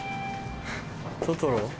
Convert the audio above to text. トトロ？